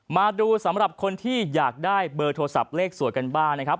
มาดูสำหรับคนที่อยากได้เบอร์โทรศัพท์เลขสวยกันบ้างนะครับ